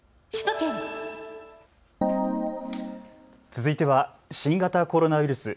続いては新型コロナウイルス。